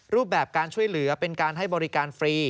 รูปแบบการช่วยเหลือเป็นการให้บริการฟรี